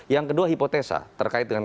yang kedua hipotesa terkait dengan